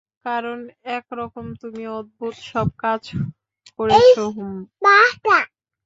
কারণ একরকম তুমি অদ্ভুত সব কাজ করেছো হম।